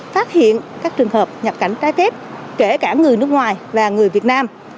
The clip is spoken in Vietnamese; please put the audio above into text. phát hiện các trường hợp nhập cảnh trái phép kể cả người nước ngoài và người việt nam